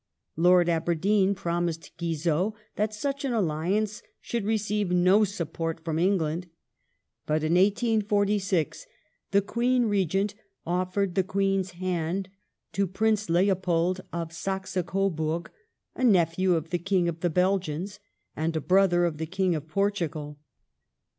Lord Aberdeen promised Guizot that such an alliance should receive no support from England, but in 1846 the Queen Regent offered the Queen's hand to Prince Leopold of Saxe Coburg, a nephew of the King of the Belgians and a brother of the King of Portugal.